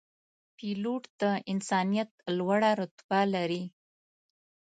پیلوټ د انسانیت لوړه رتبه لري.